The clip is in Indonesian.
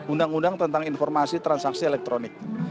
undang undang tentang informasi transaksi elektronik